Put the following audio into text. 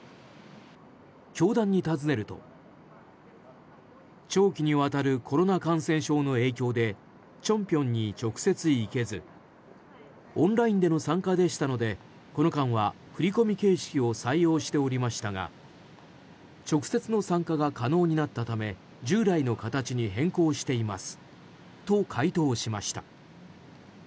教団に尋ねると、長期にわたるコロナ感染症の影響で清平に直接行けずオンラインでの参加でしたのでこの間は振り込み形式を採用しておりましたが直接の参加が可能になったため従来の形に変更していますと回答しました。